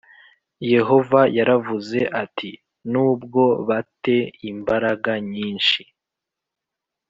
Yehova yaravuze ati nubwo ba te imbaraga nyinshi